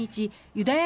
ユダヤ